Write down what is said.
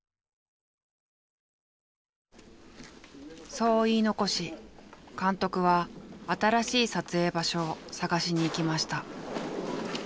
そう言い残し監督は新しい撮影場所を探しに行きました。